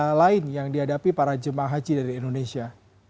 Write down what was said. apa lain yang dihadapi para jemaah haji dari indonesia